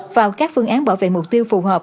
vào các phương án bảo vệ mục tiêu phù hợp